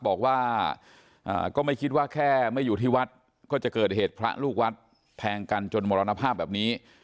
บอกว่าก็ไม่คิดว่าแค่ไม่อยู่ที่วัดก็จะเกิดเหตุพระลูกวัดแทงกันจนมรณภาพแบบนี้